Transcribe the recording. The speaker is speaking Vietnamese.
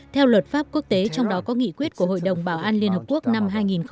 theo luật pháp quốc tế trong đó có nghị quyết của hội đồng bảo an liên hợp quốc năm hai nghìn hai mươi